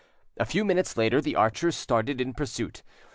A few minutes later the archers started in pursuit.